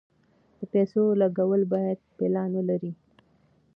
د پیسو لګول باید پلان ولري.